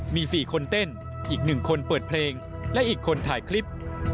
มี๔คนเต้นอีก๑คนเปิดเพลงและอีกคนถ่ายคลิป